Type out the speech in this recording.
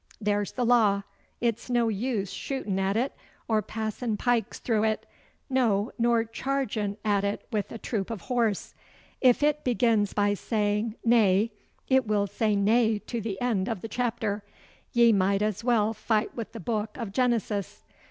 There's the law. It's no use shootin' at it, or passin' pikes through it, no, nor chargin' at it wi' a troop of horse. If it begins by saying "nay" it will say "nay" to the end of the chapter. Ye might as well fight wi' the book o' Genesis.